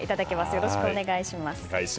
よろしくお願いします。